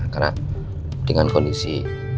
karena dengan kondisi